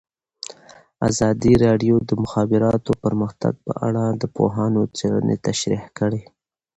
ازادي راډیو د د مخابراتو پرمختګ په اړه د پوهانو څېړنې تشریح کړې.